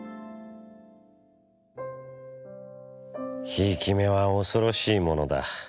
「贔屓目は恐ろしいものだ。